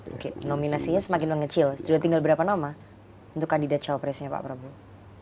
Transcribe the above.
oke nominasinya semakin mengecil sudah tinggal berapa nama untuk kandidat cawapresnya pak prabowo